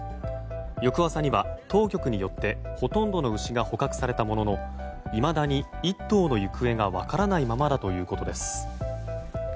翌朝には当局によってほとんどの牛が捕獲されたもののいまだに１頭の行方が分からないままだということです。